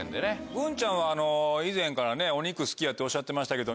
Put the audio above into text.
グンちゃんは以前からお肉好きやっておっしゃってましたけど。